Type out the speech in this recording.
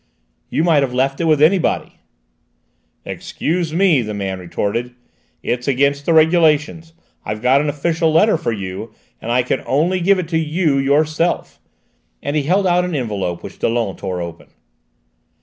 "You might have left it with anybody." "Excuse me!" the man retorted; "it's against the regulations: I've got an official letter for you, and I can only give it to you yourself," and he held out an envelope which Dollon tore open.